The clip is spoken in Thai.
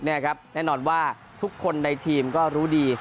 ทีหลังสุดแน่นอนว่าทุกคนในทีมก็รู้ดี